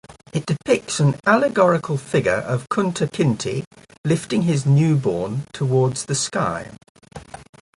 It depicts an allegorical figure of Kunta Kinte lifting his newborn towards the sky.